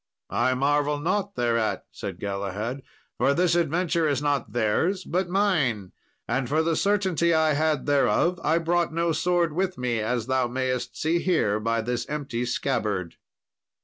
"I marvel not thereat," said Galahad, "for this adventure is not theirs, but mine; and for the certainty I had thereof, I brought no sword with me, as thou mayst see here by this empty scabbard."